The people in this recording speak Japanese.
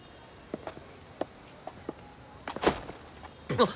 あっ！